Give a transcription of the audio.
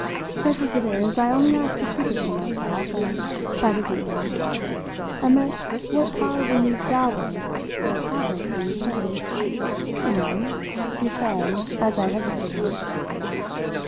Such as it is, I only ask to keep it for myself, and that isn't what I meant. I meant what flower will you gather, what havoc will you play ?" "Well?" he said as I hesitated.